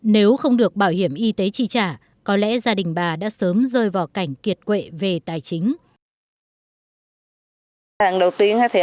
nếu không được bảo hiểm y tế chi trả có lẽ gia đình bà đã sớm rơi vào cảnh kiệt quệ về tài chính